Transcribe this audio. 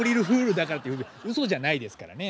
だからってうそじゃないですからね。